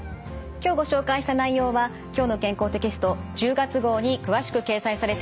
今日ご紹介した内容は「きょうの健康」テキスト１０月号に詳しく掲載されています。